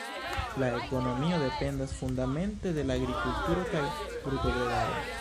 La ekonomio dependas fundamente de la agrikulturo kaj brutobredado.